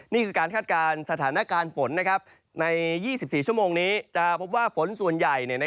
นี่คือการคาดการณ์สถานการณ์ฝนใน๒๔ชั่วโมงนี้จะพบว่าฝนส่วนใหญ่